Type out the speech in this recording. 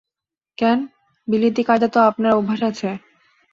কেন, বিলিতি কায়দা তো আপনার অভ্যাস আছে।